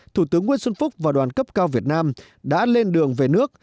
thủ tướng nguyễn xuân phúc và đoàn cấp cao việt nam đã lên đường về nước